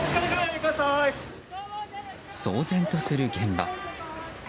騒然とする現場。